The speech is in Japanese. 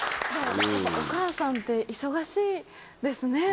お母さんって忙しいですね